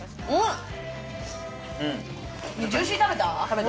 ジューシー、食べた？